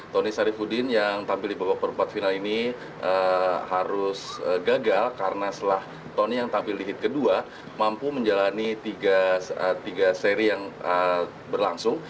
tony sarifudin yang tampil di babak perempat final ini harus gagal karena setelah tony yang tampil di hit kedua mampu menjalani tiga seri yang berlangsung